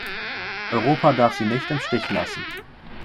Europa darf sie nicht im Stich lassen.